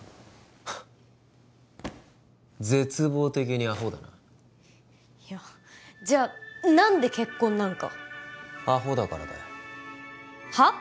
はっ絶望的にアホだないやじゃ何で結婚なんかアホだからだよはっ？